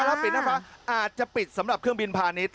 แล้วปิดหน้าฟ้าอาจจะปิดสำหรับเครื่องบินพาณิชย